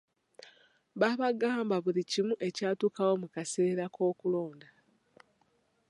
Baabagamba buli kimu ekyatuukawo mu kaseera k'okulonda.